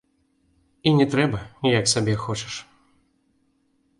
І не трэба, як сабе хочаш.